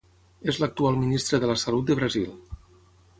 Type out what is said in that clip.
És l'actual ministre de la Salut de Brasil.